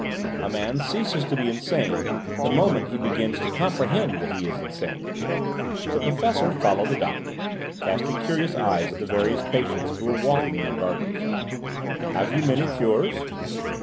A man ceases to be insane the moment he begins to comprehend that he is insane." The Professor followed the doctor, casting curious eyes at the various patients who were walking in their gardens. "Have you many cures?"